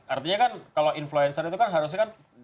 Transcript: artinya kan kalau influencer itu kan harusnya kan